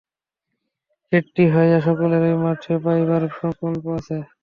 খেতড়ি হইয়া সকলকেই মঠে পাইবার সঙ্কল্প আছে।